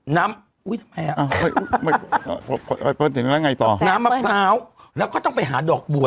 น้ำ